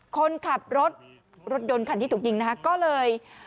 คนขับรถรถยนต์ที่ถูกยิงก็เลย